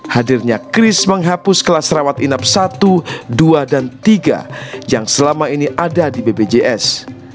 hadirnya kris menghapus kelas rawat inap satu dua dan tiga yang selama ini ada di bpjs